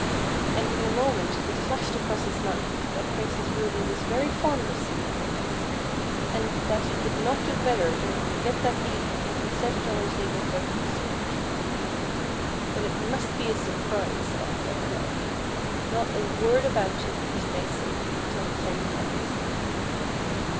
And in a moment it flashed across his mind that Princess Ruby was very fond of sweet things, and that he could not do l)etter than get that beehive and set it on the table for the dessert. "But it must be a surprise," thought Feather Head ;" not a word about it must I say till the time comes."